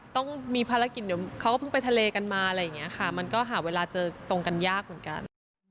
ต้องมีภารกิจเดี๋ยวเขาก็เพิ่งไปทะเลกันมาอะไรอย่างนี้ค่ะมันก็หาเวลาเจอตรงกันยากเหมือนกัน